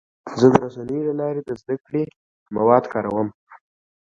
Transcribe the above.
زه د رسنیو له لارې د زده کړې مواد کاروم.